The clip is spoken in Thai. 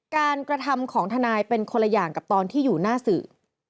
กระทำของทนายเป็นคนละอย่างกับตอนที่อยู่หน้าสื่อ